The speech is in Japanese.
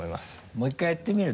もう１回やってみる？